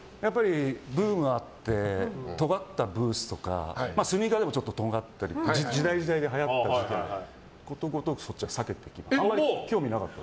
ブームがあってとがったブーツとかスニーカーでもちょっと尖がったりとか時代時代ではやったりしてことごとく避けてきた。